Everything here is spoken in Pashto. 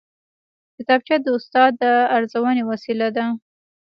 کتابچه د استاد د ارزونې وسیله ده